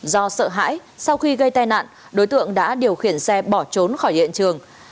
do sợ hãi sau khi gây tai nạn đối tượng đã điều khiển xe bỏ trốn khỏi hiện trường